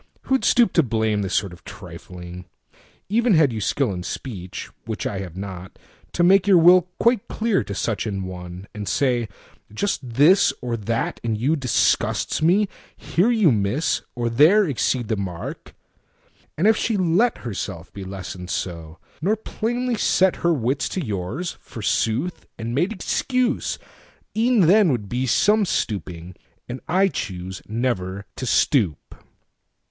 Who'd stoop to blameThis sort of trifling? Even had you skillIn speech—(which I have not)—to make your willQuite clear to such an one, and say, "Just thisOr that in you disgusts me; here you miss, Or there exceed the mark"—and if she letHerself be lessoned so, nor plainly setHer wits to yours, forsooth, and made excuse,—E'en then would be some stooping; and I chooseNever to stoop.